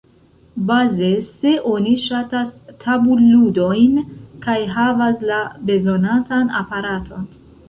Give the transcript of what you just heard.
Baze, se oni ŝatas tabulludojn kaj havas la bezonatan aparaton.